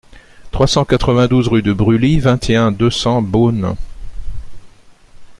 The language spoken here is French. trois cent quatre-vingt-douze rue de Brully, vingt et un, deux cents, Beaune